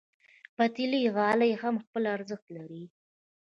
پتېلي غالۍ هم خپل ارزښت لري.